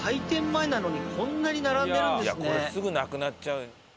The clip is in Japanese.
これすぐなくなっちゃう。